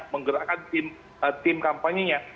menggerakkan tim kampanye nya